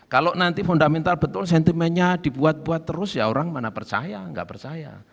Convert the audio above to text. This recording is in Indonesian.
kalau nanti fundamental betul sentimennya dibuat buat terus ya orang mana percaya nggak percaya